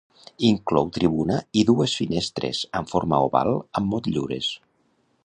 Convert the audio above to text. Inclou tribuna i dues finestres amb forma oval amb motllures.